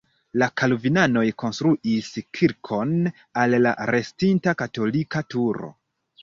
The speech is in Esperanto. La kalvinanoj konstruis kirkon al la restinta katolika turo.